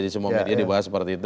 di semua media dibahas seperti itu